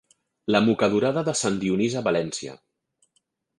La mocadorada de Sant Dionís a València.